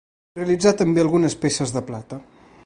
Realitzà també algunes peces de plata.